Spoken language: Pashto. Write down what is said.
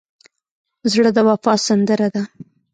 زړه د وفا سندره ده.